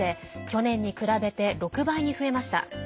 去年に比べて６倍に増えました。